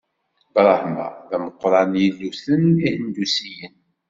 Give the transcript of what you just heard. Brahma d ameqqran n yilluten ihendusiyen.